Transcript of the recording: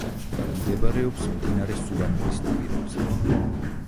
მდებარეობს მდინარე სურამულის ნაპირებზე.